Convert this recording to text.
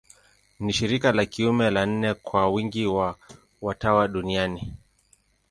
Ni shirika la kiume la nne kwa wingi wa watawa duniani.